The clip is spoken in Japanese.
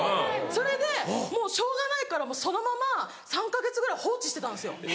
それでもうしょうがないからそのまま３か月ぐらい放置してたんですよ。